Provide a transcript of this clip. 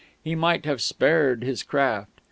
He might have spared his craft.